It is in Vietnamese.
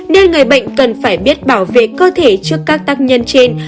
nên người bệnh cần phải biết bảo vệ cơ thể trước các tác nhân trên